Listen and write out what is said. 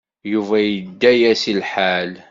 Yuba yedda-as lḥal.